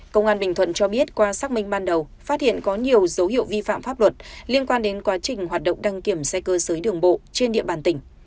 công an bình thuận cho biết qua xác minh ban đầu phát hiện có nhiều dấu hiệu vi phạm pháp luật liên quan đến quá trình hoạt động đăng kiểm xe cơ giới đường bộ trên địa bàn tỉnh